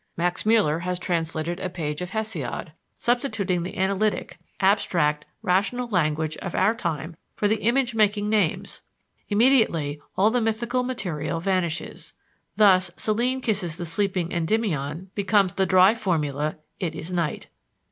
Max Müller has translated a page of Hesiod, substituting the analytic, abstract, rational language of our time for the image making names. Immediately, all the mythical material vanishes. Thus, "Selene kisses the sleeping Endymion" becomes the dry formula, "It is night."